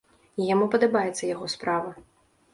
Яму падабаецца яго справа.